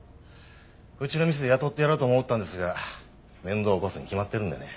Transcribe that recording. うちの店で雇ってやろうと思ったんですが面倒起こすに決まってるんでね。